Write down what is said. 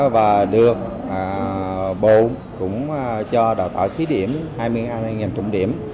và được bộ cũng cho đào tạo thí điểm hai mươi hai ngành trọng điểm